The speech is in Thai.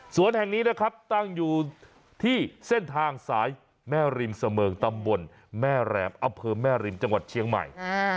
แห่งนี้นะครับตั้งอยู่ที่เส้นทางสายแม่ริมเสมิงตำบลแม่แรมอำเภอแม่ริมจังหวัดเชียงใหม่